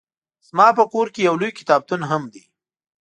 زما په کور کې يو لوی کتابتون هم دی